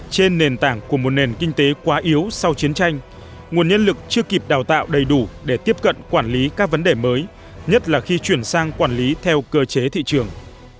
trên nền tảng của một nền kinh tế quá yếu sau chiến tranh nguồn nhân lực chưa kịp đào tạo đầy đủ để tiếp cận quản lý các vấn đề mới nhất là khi chuyển sang quản lý theo cơ chế thị trường